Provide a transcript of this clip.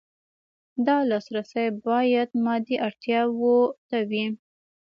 دا لاسرسی باید مادي اړتیاوو ته وي.